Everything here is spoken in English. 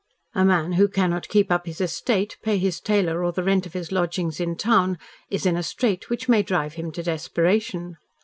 A man who cannot keep up his estate, pay his tailor or the rent of his lodgings in town, is in a strait which may drive him to desperation.